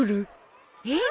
えっ？